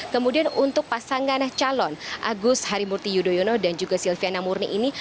kemudian untuk pasangan calon agus harimurti yudhoyono dan juga silviana murni ini